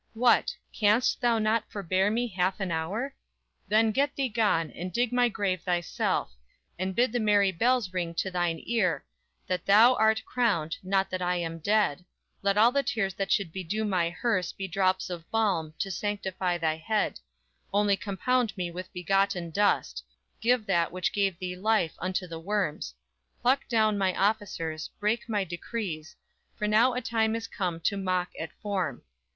What! can'st thou not forbear me half an hour? Then get thee gone; and dig my grave thyself; And bid the merry bells ring to thine ear; That thou art crowned, not that I am dead, Let all the tears that should bedew my hearse Be drops of balm, to sanctify thy head; Only compound me with begotten dust; Give that which gave thee life, unto the worms; Pluck down my officers, break my decrees; For now a time is come to mock at form.